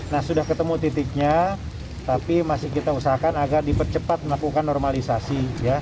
nah sudah ketemu titiknya tapi masih kita usahakan agar dipercepat melakukan normalisasi